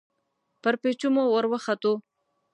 پر پېچومو ور وختو.